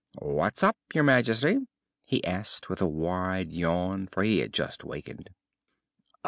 "What's up, Your Majesty?" he asked, with a wide yawn, for he had just wakened.